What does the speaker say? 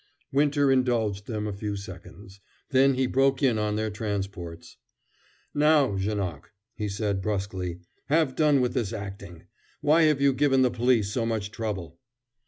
Winter indulged them a few seconds. Then he broke in on their transports. "Now, Janoc," he said brusquely, "have done with this acting! Why have you given the police so much trouble?"